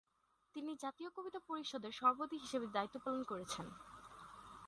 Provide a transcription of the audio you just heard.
তিনি জাতীয় কবিতা পরিষদের সভাপতি হিসেবে দায়িত্ব পালন করছেন।